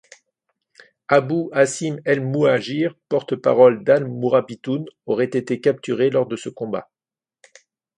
Abou Aassim El-Mouhajir, porte-parole d'Al-Mourabitoune, aurait été capturé lors de ce combat.